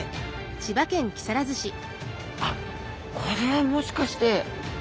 あっこれはもしかして。